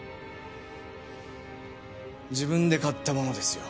自分で買ったものですよ。